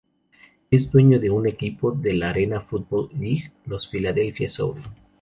Es dueño de un equipo de la Arena Football League, los Philadelphia Soul.